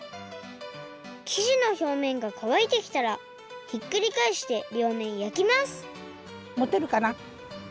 きじのひょうめんがかわいてきたらひっくりかえしてりょうめんやきますもてるかな？